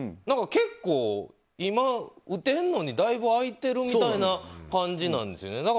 結構、今、打てるのにだいぶ空いているみたいな感じなんですよね。